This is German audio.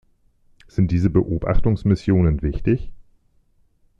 Sind diese Beobachtungsmissionen wichtig?